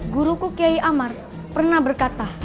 guru kukyai amar pernah berkata